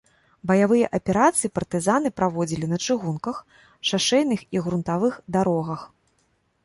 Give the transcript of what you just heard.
Баявыя аперацыі партызаны праводзілі на чыгунках, шашэйных і грунтавых дарогах.